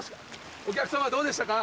お客様どうでしたか？